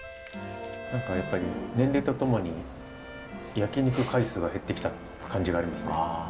何かやっぱり年齢とともに焼肉回数が減ってきた感じがありますね。